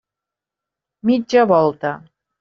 Mitja volta!